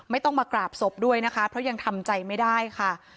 ไม่ต้องมากราบศพด้วยนะคะเพราะยังทำใจไม่ได้ค่ะ